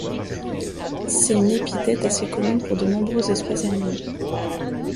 C'est une épithète assez commune pour de nombreuses espèces animales.